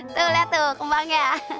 tuh liat tuh kembangnya